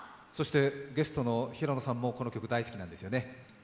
ゲストの平野さんも、この曲が大好きなんですよね。